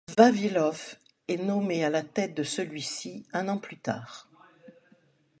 Vavilov est nommé à la tête de celui-ci un an plus tard.